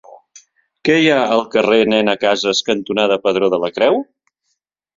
Què hi ha al carrer Nena Casas cantonada Pedró de la Creu?